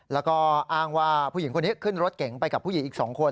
แล้วก็อ้างว่าผู้หญิงคนนี้ขึ้นรถเก๋งไปกับผู้หญิงอีก๒คน